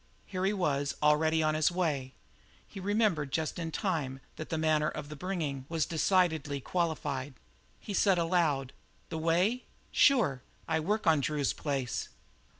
Here he was already on the way. He remembered just in time that the manner of bringing was decidedly qualified. He said aloud: "The way? Sure; I work on Drew's place."